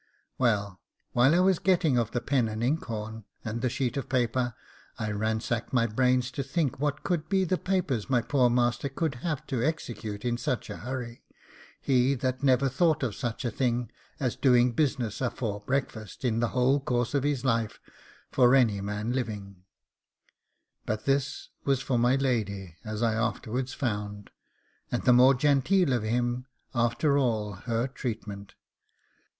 Well, while I was getting of the pen and ink horn, and the sheet of paper, I ransacked my brains to think what could be the papers my poor master could have to execute in such a hurry, he that never thought of such a thing as doing business afore breakfast in the whole course of his life, for any man living; but this was for my lady, as I afterwards found, and the more genteel of him after all her treatment.